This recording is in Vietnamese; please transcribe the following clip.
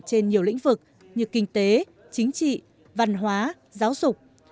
trên nhiều lĩnh vực như kinh tế chính trị văn hóa giáo dục